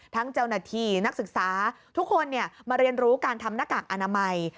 เจ้าหน้าที่นักศึกษาทุกคนมาเรียนรู้การทำหน้ากากอนามัย